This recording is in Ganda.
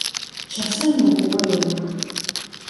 Kya ssanyu okuweebwa.